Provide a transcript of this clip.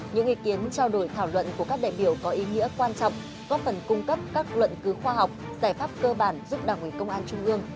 những ý kiến trao đổi thảo luận của các đại biểu có ý nghĩa quan trọng góp phần cung cấp các luận cứu khoa học giải pháp cơ bản giúp đảng ủy công an trung ương